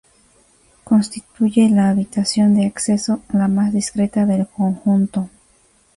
Constituye la habitación de acceso la más discreta del conjunto.